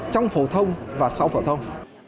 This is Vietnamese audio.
trong phổ thông và sau phổ thông